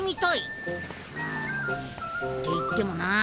うんっていってもなぁ。